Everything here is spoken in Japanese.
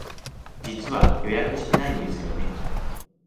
実は予約してないんですよね。